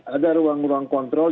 ada ruang ruang kontrol